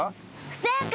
不正解！